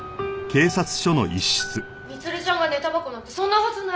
満ちゃんが寝タバコなんてそんなはずない！